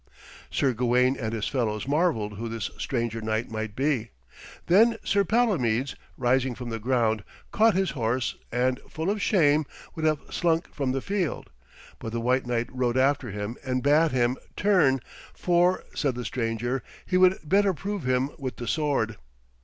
Sir Gawaine and his fellows marvelled who this stranger knight might be. Then Sir Palomides, rising from the ground, caught his horse, and full of shame, would have slunk from the field. But the white knight rode after him and bade him turn, 'for,' said the stranger, 'he would better prove him with the sword.'